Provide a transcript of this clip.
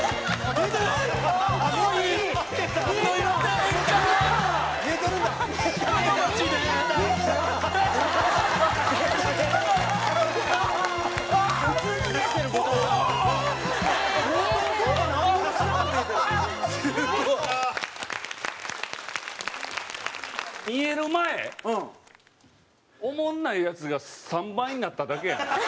おもんないヤツが３倍になっただけやねん。